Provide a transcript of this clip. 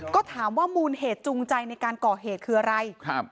ก็ถามว่ามูลเหตุจูงใจในการก่อเหตุคืออะไรครับ